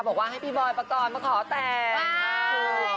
บอกว่าให้พี่บอยปกรณ์มาขอแต่ง